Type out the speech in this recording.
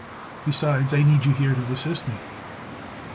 Besides, I need you here to assist me."